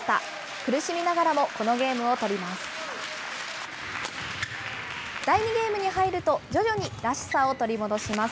苦しみながらもこのゲームを取ります。